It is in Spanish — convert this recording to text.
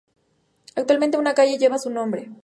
Actualmente una calle lleva su nombre.